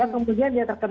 kemudian dia terkena